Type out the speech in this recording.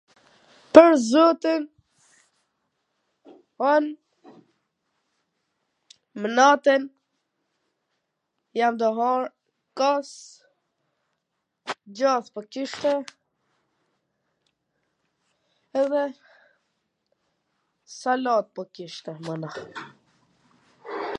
Pwr zotin, un, mnaten jam tu hangr kos, djath po kishte, edhe salat po kishte. mana.